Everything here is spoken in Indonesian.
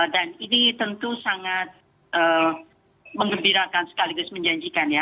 dan ini tentu sangat mengembirakan sekaligus menjanjikan ya